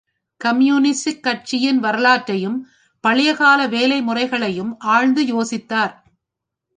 Communist கட்சியின் வரலாற்றையும், பழையகால வேலை முறைகளையும் ஆழ்ந்து யோசித்தார்.